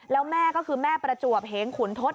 แล้วแม่ก็คือแม่ประจวบเหงขุนทศ